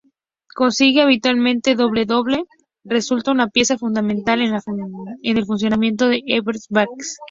Consigue habitualmente doble-doble, resulta una pieza fundamental en el funcionamiento del Évreux Basket.